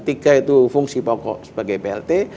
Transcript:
tiga itu fungsi pokok sebagai plt